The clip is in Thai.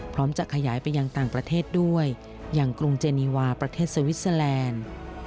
พร้อมจะขยายไปยังต่างประเทศด้วยอย่างกรุงเจนีวาประเทศสวิสเตอร์แลนด์